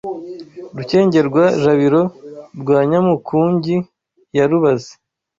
Rukengerwa-jabiro rwa Nyamukungi ya Rubazi